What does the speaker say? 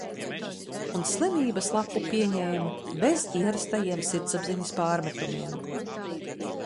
Un slimības lapu pieņēmu bez ierastajiem sirdsapziņas pārmetumiem.